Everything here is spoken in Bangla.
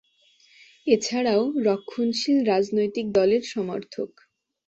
এছাড়াও, রক্ষণশীল রাজনৈতিক দলের সমর্থক।